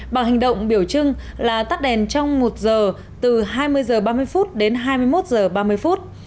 bằng hành động biểu trưng là tắt đèn trong một giờ từ hai mươi h ba mươi phút đến hai mươi một h ba mươi phút